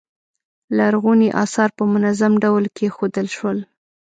لرغوني اثار په منظم ډول کیښودل شول.